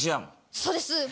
そうです。